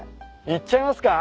いっちゃいますか？